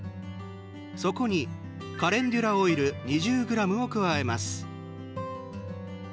そこにカレンデュラオイル２０ｇを加えます。